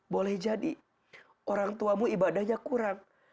boleh jadi orang tuamu ibadahnya kurang